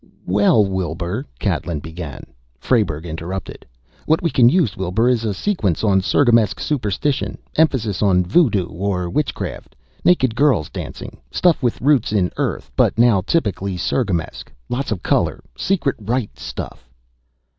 "Well, Wilbur," Catlin began. Frayberg interrupted. "What we can use, Wilbur, is a sequence on Sirgamesk superstition. Emphasis on voodoo or witchcraft naked girls dancing stuff with roots in Earth, but now typically Sirgamesk. Lots of color. Secret rite stuff...."